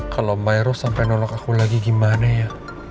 kalau myros sampai nolak aku lagi gimana ya